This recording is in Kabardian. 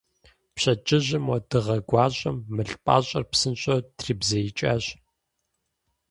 Пщэдджыжьым мо дыгъэ гуащӀэм мыл пӀащӀэр псынщӀэу трибзеикӀащ.